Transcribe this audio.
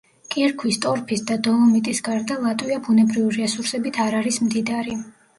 კირქვის, ტორფის და დოლომიტის გარდა ლატვია ბუნებრივი რესურსებით არ არის მდიდარი.